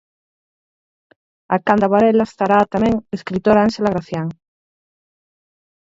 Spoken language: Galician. A canda Varela estará a tamén escritora Ánxela Gracián.